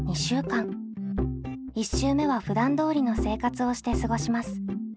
１週目はふだんどおりの生活をして過ごします。